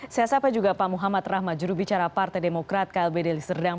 saya sapa juga pak muhammad rahmat jurubicara partai demokrat klb deli serdang